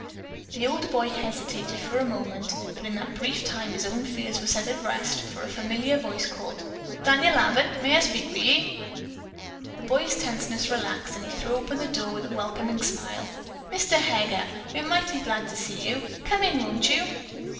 The older boy hesitated for a moment, but in that brief time his own fears were set at rest, for a familiar voice called, "Daniel Abbott, may I speak with ye?" The boy's tenseness relaxed and he threw open the door with a welcoming smile. "Mr. Heger, we're mighty glad to see you! Come in, won't you?"